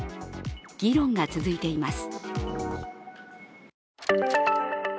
議論が続いています。